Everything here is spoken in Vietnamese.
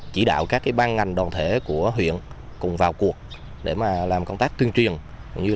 chỉ đạo các ban ngành đoàn thể của huyện cùng vào cuộc để làm công tác tuyên truyền